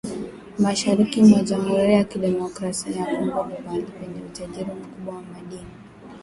Mashariki mwa Jamhuri ya Kidemokrasia ya Kongo ni pahali penye utajiri mkubwa wa madini